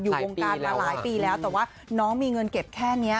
วงการมาหลายปีแล้วแต่ว่าน้องมีเงินเก็บแค่นี้